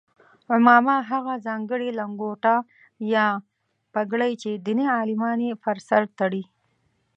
عمامه هغه ځانګړې لنګوټه یا پګړۍ چې دیني عالمان یې پر سر تړي.